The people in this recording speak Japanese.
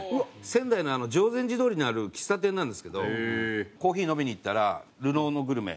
仙台の定禅寺通にある喫茶店なんですけどコーヒー飲みに行ったら『流浪のグルメ』